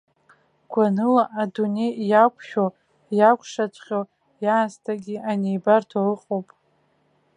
Гәаныла адунеи иакәшәо иакәшаҵәҟьо иаасҭагьы анибарҭоу ыҟоуп.